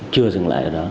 chưa dừng lại ở đó